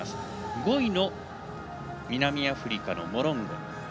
５位の南アフリカのモロンゴ。